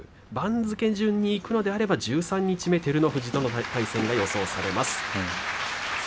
番付順にいけば十三日目で照ノ富士との対戦が予想されます。